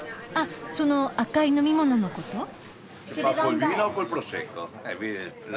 あその赤い飲み物のこと？